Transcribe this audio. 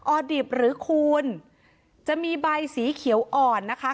อดิบหรือคูณจะมีใบสีเขียวอ่อนนะคะ